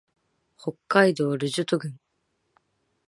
北海道留寿都村